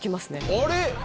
あれ？